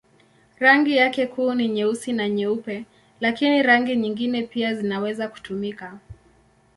Rangi yake kuu ni nyeusi na nyeupe, lakini rangi nyingine pia zinaweza kutumika.